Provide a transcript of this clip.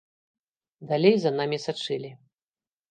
Далей за намі сачылі.